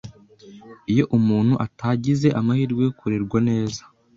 Iyo umuntu atagize amahirwe yo kurerwa neza